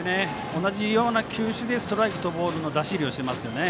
同じような球種でストライクとボールの出し入れをしていますね。